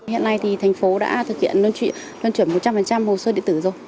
hiện nay thì thành phố đã thực hiện đơn chuyển một trăm linh hồ sơ địa tử rồi